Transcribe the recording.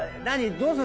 どうする？